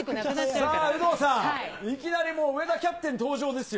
さあ、有働さん、いきなりもう上田キャプテン登場ですよ。